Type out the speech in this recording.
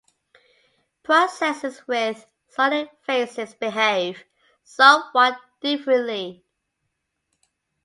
Processes with solid phases behave somewhat differently.